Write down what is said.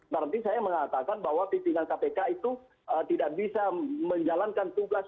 berarti saya mengatakan bahwa pimpinan kpk itu tidak bisa menjalankan tugas